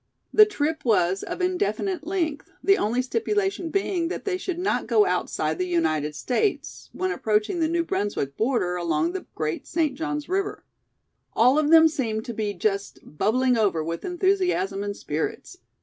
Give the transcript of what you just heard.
The trip was of indefinite length, the only stipulation being that they should not go outside the United States, when approaching the New Brunswick border along the great St. Johns River. All of them seemed to be just bubbling over with enthusiasm and spirits.